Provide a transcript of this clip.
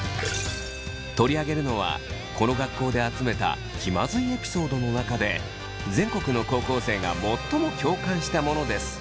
取り上げるのはこの学校で集めた気まずいエピソードの中で全国の高校生が最も共感したものです。